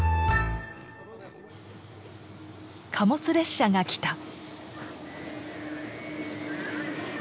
貨物列車が来た。